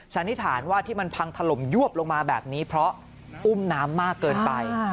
สันนิษฐานว่าที่มันพังถล่มยวบลงมาแบบนี้เพราะอุ้มน้ำมากเกินไป